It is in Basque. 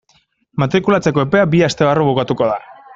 Matrikulatzeko epea bi aste barru bukatuko da.